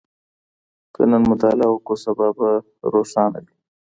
که نن مطالعه وکړو سبا به روښانه وي.